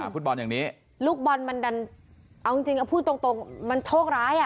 พระเอิญลูกบอลมันดันเอาจริงก็พูดตรงมันโชคร้าย